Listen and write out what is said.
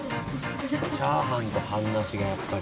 チャーハンと半ナシがやっぱり。